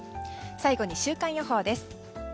最後に週間予報です。